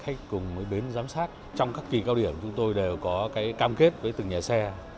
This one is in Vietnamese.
khách cùng với bến giám sát trong các kỳ cao điểm chúng tôi đều có cái cam kết với từng nhà xe